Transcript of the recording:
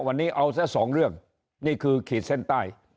วันนี้เอาซะสองเรื่องนี่คือขีดเส้นใต้